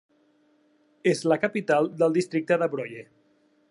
És la capital del districte de Broye.